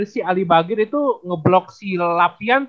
si alibagir itu ngeblok si lapian